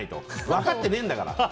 分かってねえんだから。